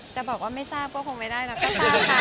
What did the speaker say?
จะบอกว่าไม่ทราบก็คงไม่ได้หรอกค่ะ